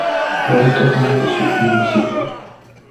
Loreto fue uno de sus municipios.